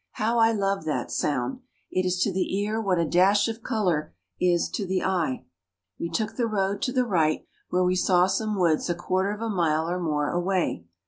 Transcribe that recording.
How I love that sound! It is to the ear what a dash of color is to the eye. We took the road to the right, where we saw some woods a quarter of a mile or more away.